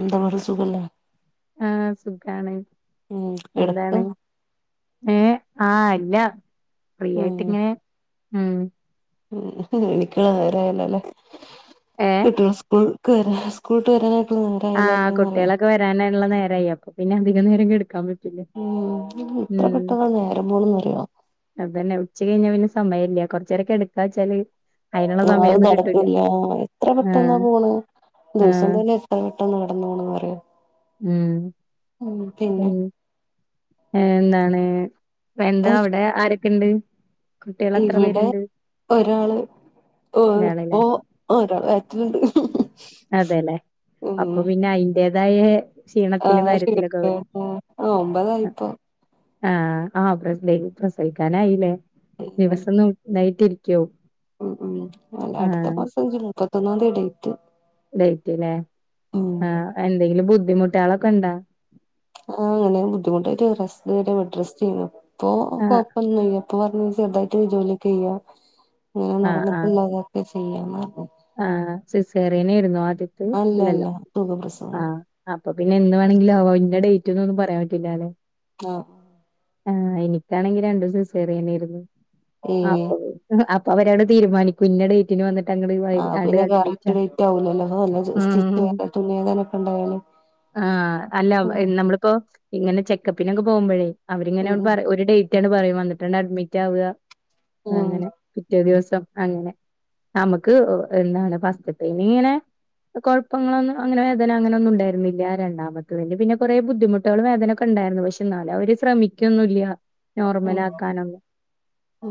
എന്താ അവ്ട സുഖല്ലേ ആഹ് സുഖാണ് ഉം കിടക്ക എന്താണ് ഏഹ് ആഹ ഇല്ല ഫ്രീ ഉം ആയ്ട്ടിങ്ങനെ ഉം എ എനിക്കൊന്ന് വിളിക്കണ നേ രായല്ലല്ല ഏ കിട്ടികള് സ്കൂൾക്ക് വെരാന സ്കൂൾ വിട്ട് വെരാനായ് ആഹ് കുട്ടികളക്ക വരാനായ്ട്ടുള്ള നേരായി അപ്പ പിന്ന അധിക നേരം കെട്ക്കാം പറ്റു ഉം എത്ര പെട്ടന്ന നേരം പോണ്ന്നറിയോ അതന്നെ ഉച്ചകയ്ഞ്ഞ പിന്ന സമയല്ല കൊറച്ചെരം കെടക്ക വെച്ചാല് അയിനുള്ള അതും സമയൊന്നും കിട്ടൂല നടക്കൂല്ല എത്ര പെട്ടന്ന ആഹ് പോണ് ദിവസം ആഹ് തന്നെ എത്ര പെട്ടന്ന കടന്ന് പോണന്നറിയോ ഉം ഉം പിന്നെ ഏഹ എന്താണ് പ്പ എന്താ അവ്ടെ ആരക്ക്ണ്ട് ഇവ്ടെ ഒരാള് ഓൽ ഇയാളല്ലേ ഇപ്പോ ഒരാള് വയറ്റ്ല്ണ്ട് അതെല്ലെ അപ്പ പിന്നെ അയ്ന്റേതായേ ആ ക്ഷീണത്തിലും ശരി കാര്യത്തിലൊക്ക ആവല് ആ ഒമ്പതായിപ്പോ ആഹ് ആഹ് ആഹ് പ്രസ്‌ലെ പ്രസവിക്കാനായ്ല്ലേ ദിവസം നോ ഇതായ്ട്ടിരിക്കാവും ഹ്മ്മ് ഹ്മ്മ് അല്ല അട്ത്ത മാസം ജുൺ മുപ്പത്തൊന്നാന്തിയാ ഡേറ്റ് ഡെയ്റ്റ്ല്ലേ, ഉം ആഹ് എന്തെങ്കിലും ബുദ്ധിമുട്ടാളൊക്കെ ഇണ്ടോ ആഹ് ഇങ്ങനെ ബുദ്ധിമുട്ടായിട്ട് റെസ്റ്റ് പറയാൻ ബെഡ് റസ്റ്റെനി ഇപ്പൊ കൊ ആഹ് ഴപ്പൊന്നുല്ല ഇപ്പൊ പറഞ്ഞ് ചെറുതായിട്ട് ജോലിയൊക്കെയ്യാ ഇങ്ങനെ ആഹ് ആഹ് നടന്നിട്ടുള്ളതാ ഒക്കെ ചെയ്യാന്ന് പറഞ്ഞ് ആഹ് സിസേറിയനേയിരുന്നു ആദ്യത്തെ അല്ല അല്ല അല്ലല്ലോ സുഖപ്രസവം ആഹ് അപ്പൊ പിന്നെ എന്ന് വേണമെങ്കിലും ആവാ ഇഞ്ഞ ഡേറ്റ് എന്നൊന്നും പറയാൻ പറ്റില്ലാല്ലെ ആഹ് ആഹ് എനിക്കാണെങ്കി രണ്ടും സിസറിയനേന്ന് അപ്പ ഏഹ് പി അപ്പവരാണ്ട് തീരുമാനിക്കും ഇഞ്ഞ ഡേറ്റിന് വന്നിട്ട് അങ്ങട്ട് ആഹ് പിന്നെ കറക്റ്റ് ഡേറ്റ് ആവുലല്ലോ നല്ല സ്റ്റിച്ച് ഉം വ തുന്നിയതാനൊക്കെ ഇണ്ടാവല് ആഹ് അല്ല നമ്മളിപ്പോ ഇങ്ങനെ ചെക്കപ്പിനൊക്കെ പോകുമ്പഴേ അവരിങ്ങനെ ഉം പറ ഒര് ഡേ റ്റ് പറയും വന്നിട്ടാണ്ട് അഡ്മിറ്റാവ, ഉം അങ്ങനെ പിറ്റേ ദിവസം അങ്ങനെ നമുക്ക് എന്താണ് പസ്റ്റ്ത്തെനിങ്ങനെ കൊഴപ്പങ്ങളൊന്നും അങ്ങനെ വേദന അങ്ങനൊന്നും ഉണ്ടായിരുന്നില്ല രണ്ടാമത്തത്തിന് പിന്നെ കൊറെ ബുദ്ധിമു ട്ട്കള് വേദനൊക്കെ ഇണ്ടായിരുന്നു പക്ഷെ ഇന്നാലും അവര് ശ്രമിക്കൊന്നുംല്ല ഉം നോർമലാക്കാനൊന്നും,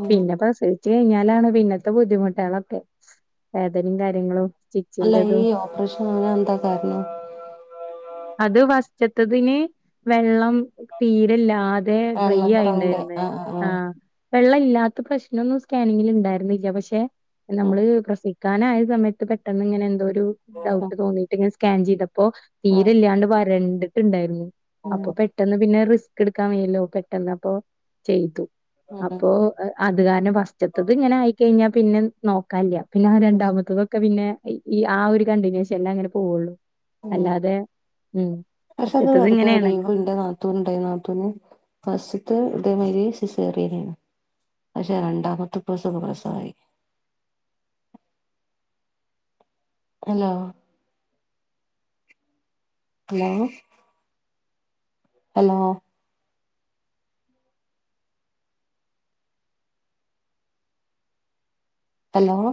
ഉം പിന്നെ പ്രസവിച്ചു കഴിഞ്ഞാലാണ് പിന്നത്തെ ബുദ്ധിമുട്ടേളൊക്കെ വേദനിം കാര്യങ്ങളും അല്ല സ്റ്റിച്ചിന്റെതും ഈ ഓപ്പറേഷന് ആവാൻ എന്താ കാരണം അത് ഫസ്റ്റ്ത്തതിന് വെള്ളം തീരെ ഇല്ലാ തെ ബ്രയ്യായ്ണ്ടായ്ര്ന്ന് ആഹ് വെള്ളം ഇല്ലാത്ത പ്രശ്നൊന്നും സ്കാനിങ്ങില് ഇണ്ടായിരുന്നില്ല പക്ഷെ ആഹ് നമ്മള് പ്രസവി ക്കാനായ സമയത്ത് പെട്ടെന്ന് ഇങ്ങനെ എന്തോരു ആഹ് ഡൗട്ട് തോന്നിയിട്ട് ഇങ്ങനെ സ്കാൻ ചെയ്ത പ്പോ ആഹ് തീര്ല്ലാണ്ട് വരണ്ട്ട്ട്ണ്ടായിരുന്നു അപ്പൊ ആഹ് പെട്ടെന്ന് പിന്നെ റിസ് ക്ക്‌ട്ക്കാൻ വയ്യല്ലോ പെട്ടന്ന് അപ്പൊ ചെയ്തു ഉം അപ്പോ അത് കാരണം പസ്റ്റ്ത്തത് ഇങ്ങനെ ആയിക്കഴിഞ്ഞാൽ പിന്നെ നോക്കാൻല്ല പിന്നെ ആ രണ്ടാമത്തതൊക്കെ പിന്നെ ഈ ആ ഒര് കണ്ടിനേഷൻല്ലാ അങ്ങട്ട് പോവള്ളൂ ഉം അല്ലാതെ ഹ്മ്മ് ഫസ്റ്റ്ത്തത് ഇങ്ങനെണ് ഇണ്ട് നാ നാത്തൂൻ ഇണ്ടായിനി നാത്തൂൻ ഫസ്റ്റ്ത്തെ ഇതേമാതിരി സിസേറിയനേന്നു പക്ഷെ രണ്ടാമത്തെ പ്രസവം പ്രസവായി ഹലോ ഹലോ ഹലോ ഹലോ